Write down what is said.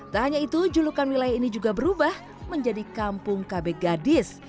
tak hanya itu julukan wilayah ini juga berubah menjadi kampung kb gadis